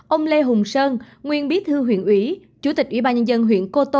ông lê hùng sơn nguyên bí thư huyện ủy chủ tịch ủy ban nhân dân huyện cô tô